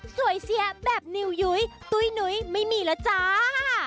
เสียแบบนิวยุ้ยตุ้ยหนุ้ยไม่มีแล้วจ้า